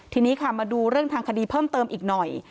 ทีนี้ค่ะมาดูเรื่องทางคดีเพิ่มเติมอีกหน่อย